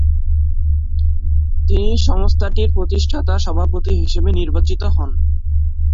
তিনি সংস্থাটির প্রতিষ্ঠাতা সভাপতি হিসেবে নির্বাচিত হন।